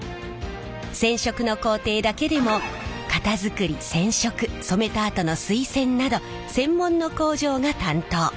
染色の工程だけでも型作り染色染めたあとの水洗など専門の工場が担当。